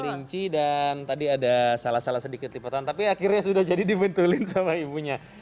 kelinci dan tadi ada salah salah sedikit lipatan tapi akhirnya sudah jadi dibentulin sama ibunya